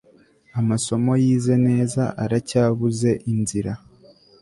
amasomo yize neza, aracyabuze inzira